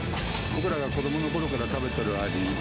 僕らが子どものころから食べてる味。